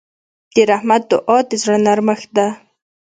د رحمت دعا د زړه نرمښت ده.